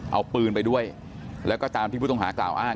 เอาปืนไปด้วยแล้วก็ตามที่ผู้ต้องหากล่าวอ้าง